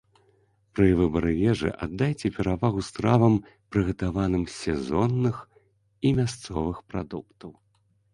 Пры выбары ежы, аддайце перавагу стравам, прыгатаваным з сезонных і мясцовых прадуктаў.